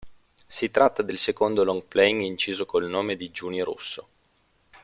Si tratta del secondo long playing inciso col nome di Giuni Russo.